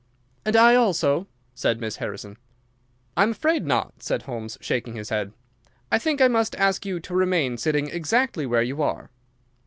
"And I also," said Miss Harrison. "I am afraid not," said Holmes, shaking his head. "I think I must ask you to remain sitting exactly where you are."